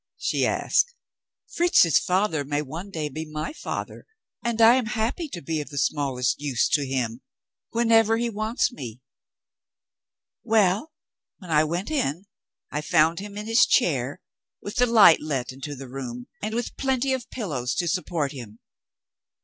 she asked. "Fritz's father may one day be my father; and I am happy to be of the smallest use to him, whenever he wants me. Well, when I went in, I found him in his chair, with the light let into the room, and with plenty of pillows to support him.